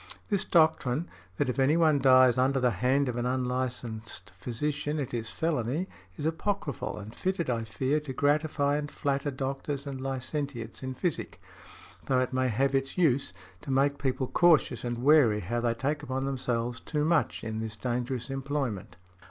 This doctrine, that if any one dies under the hand of an unlicensed physician, it is felony, is apochryphal and fitted, I fear, to gratify and flatter doctors and licentiates in physic; though it may have its use, to make people cautious and wary how they take upon themselves too much, in this dangerous employment."